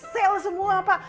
sale semua pak